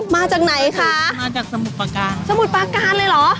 มาจากไหนคะมาจากสมุทรประการสมุทรปาการเลยเหรอ